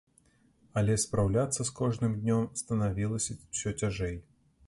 Але спраўляцца з кожным днём станавілася ўсё цяжэй.